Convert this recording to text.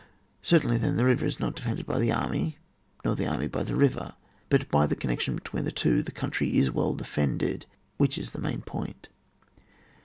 Certainly then the river is not defended by the army, nor the army by the river, but by the connection between the two the country is defended, which is the main point.